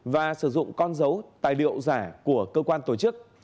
và sử dụng con dấu tài liệu giả của cơ quan tổ chức